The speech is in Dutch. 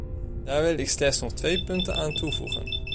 Daar wil ik slechts nog twee punten aan toevoegen.